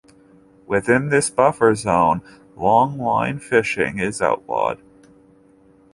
Within this buffer zone longline fishing is outlawed.